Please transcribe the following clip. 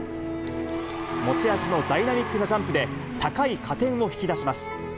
持ち味のダイナミックなジャンプで、高い加点を引き出します。